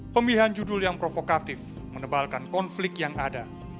pemilihan judul yang provokatif menebalkan konflik yang ada